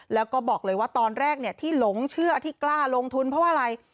แล้วก็บอกเลยว่าตอนแรกที่หลงเชื่อที่กล้าลงทุนเพราะว่าอะไร